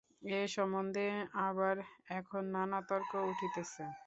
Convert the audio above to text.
এ-সম্বন্ধে আবার এখন নানা তর্ক উঠিতেছে।